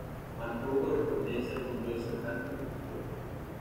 Mantuvo correspondencia con Joseph Dalton Hooker